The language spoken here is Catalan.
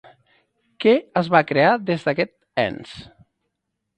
Què es va crear des d'aquest ens?